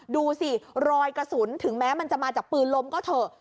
ดูสิรอยกระสุนถึงแม้มันจะมาจากปืนลมก็เถอะ